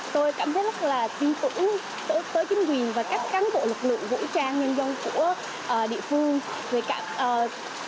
tôi cảm thấy rất là tin tưởng tới chính quyền và các cán bộ lực lượng vũ trang nhân dân của địa phương